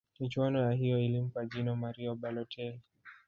michuano ya hiyo ilimpa jina mario balotel